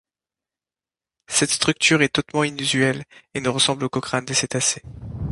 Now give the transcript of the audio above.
Cette structure est hautement inusuelle, et ne ressemble qu'au crâne des cétacés.